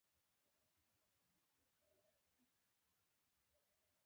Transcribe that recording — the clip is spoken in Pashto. د دوراني جدول هرې عمودي ستنې ته ګروپ وايي.